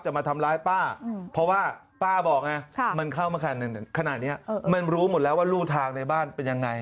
มาทำร้ายป้าเพราะว่าป้าบอกไงมันเข้ามาขนาดนี้มันรู้หมดแล้วว่ารูทางในบ้านเป็นยังไง